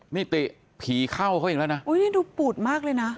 ติผีเข้าเขาอีกแล้วนะอุ้ยนี่ดูปูดมากเลยนะ